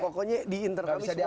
pokoknya di internal kami semua tahu